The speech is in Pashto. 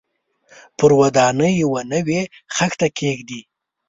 پر ودانۍ یوه نوې خښته کېږدي.